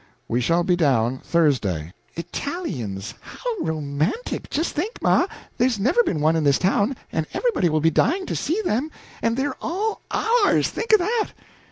We shall be down Thursday. "Italians! How romantic! Just think, ma there's never been one in this town, and everybody will be dying to see them, and they're all ours! Think of that!"